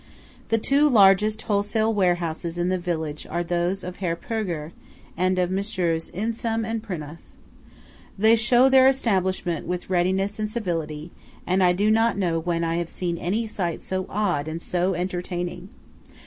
The two largest wholesale warehouses in the village are those of Herr Purger, and of Messrs. Insam and Prinoth. They show their establishments with readiness and civility; and I do not know when I have seen any sight so odd and so entertaining.